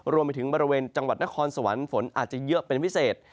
รวมไปถึงบริเวณจังหวัดนครสวรรค์ฝนอาจจะเยอะเป็นพิเศษ